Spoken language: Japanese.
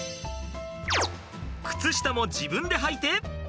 靴下も自分ではいて。